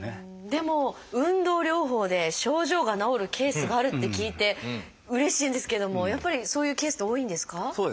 でも運動療法で症状が治るケースがあるって聞いてうれしいんですけどもやっぱりそういうケースって多いんですか？